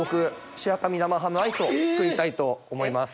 白神生ハムアイスを作りたいと思います。